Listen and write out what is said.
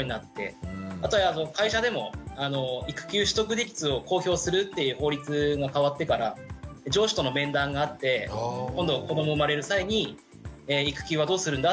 あとは会社でも育休取得率を公表するっていう法律も変わってから上司との面談があって今度子ども生まれる際に「育休はどうするんだ？」